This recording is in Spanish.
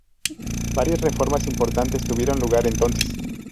Varias reformas importantes tuvieron lugar entonces.